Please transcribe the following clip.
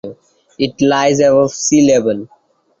It lies above sea level.